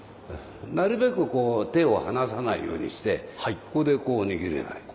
なるべくこう手を離さないようにしてここでこう握ればいい。